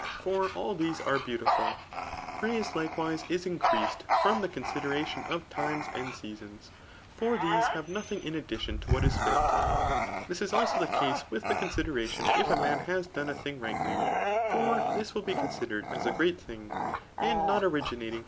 For all these arsr beautiful. Praise likewise is increased from the conal< deration of times and seasons. For these have nothing' ih additicm lo what is fit. This is also the case with the considtfatiou if a man has done a thing rightly ; for thia will be considered as a great thing, and not originating.